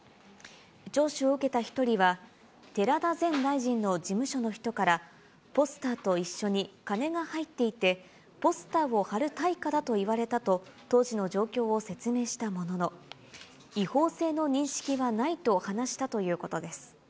聴取を受けた１人は、寺田前大臣の事務所の人から、ポスターと一緒に金が入っていて、ポスターを貼る対価だと言われたと当時の状況を説明したものの、違法性の認識はないと話したということです。